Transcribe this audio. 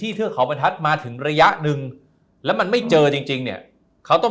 ที่เทือกเขาพนัทมาถึงระยะนึงแล้วมันไม่เจอจริงเขาต้อง